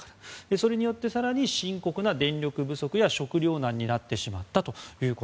それにより更に深刻な電力不足や食糧難になってしまったと。